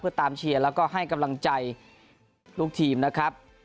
เพื่อตามเชียร์แล้วก็ให้กำลังใจลูกทีมนะครับ